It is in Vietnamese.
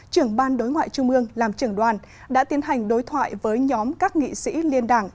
trưởng ban đối ngoại trung ương làm trưởng đoàn đã tiến hành đối thoại với nhóm các nghị sĩ liên đảng